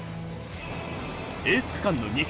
エース区間の２区。